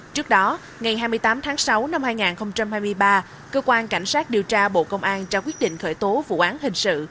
trước đó ngày hai mươi tám tháng sáu năm hai nghìn hai mươi ba cơ quan cảnh sát điều tra bộ công an trao quyết định khởi tố vụ án hình sự